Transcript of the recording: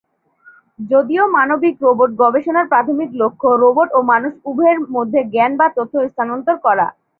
যদিও মানবিক রোবট গবেষণার প্রাথমিক লক্ষ্য রোবট ও মানুষ উভয়ের মধ্যে জ্ঞান বা তথ্য স্থানান্তর করা।